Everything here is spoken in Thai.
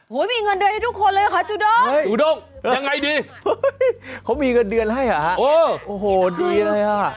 มีเงินเดือนให้ทุกคนเลยค่ะจูด้งจูด้งยังไงดีเขามีเงินเดือนให้เหรอฮะเออโอ้โหดีเลยฮะ